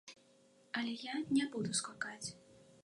Але я не буду скакаць.